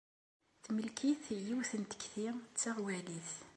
Temlek-it yiwet n takti d taɣwalit.